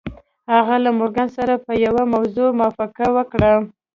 هغه له مورګان سره په یوه موضوع موافقه وکړه